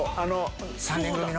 ３人組の。